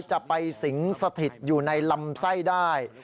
จะไปสิงสถิตอยู่ในลำไส้ได้